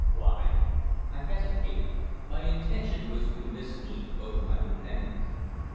"Why?" I hesitated. My intention was to mislead both of my companions.